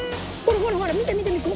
ほらほら見て見て見て。